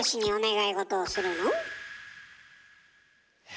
え？